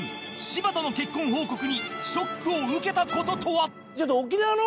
柴田の結婚報告にショックを受けた事とは？